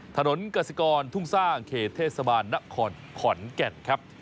ถนนกสิกรทุ่งสร้างเขตเทศบาลนครขอนแก่นครับ